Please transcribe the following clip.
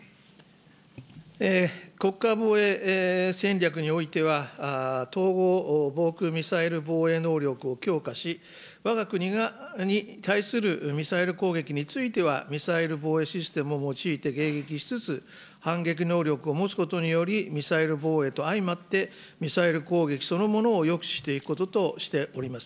国家防衛戦略においては、統合防空ミサイル防衛能力を強化し、わが国に対するミサイル攻撃についてはミサイル防衛システムを用いて迎撃しつつ、反撃能力を持つことにより、ミサイル防衛と相まってミサイル攻撃そのものを抑止していくこととしております。